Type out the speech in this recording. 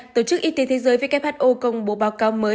tổ chức y tế thế giới who công bố báo cáo mới